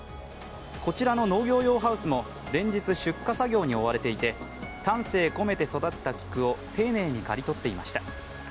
こちらの農業用ハウスも連日、出荷作業に追われていて丹精込めて育てた菊を丁寧に刈り取っていました。